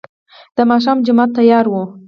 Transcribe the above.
د ماښام جماعت تيار و.